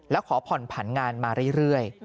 แล้วขอผ่อนผันงานมาเรื่อย